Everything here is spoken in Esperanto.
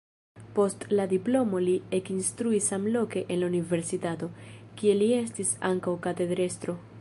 Post la diplomo li ekinstruis samloke en la universitato, kie li estis ankaŭ katedrestro.